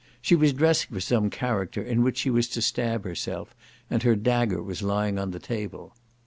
She was dressing for some character in which she was to stab herself, and her dagger was lying on the table.